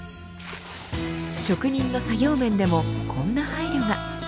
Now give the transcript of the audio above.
職人の作業面でもこんな配慮が。